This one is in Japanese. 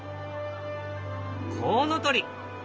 コウノトリ。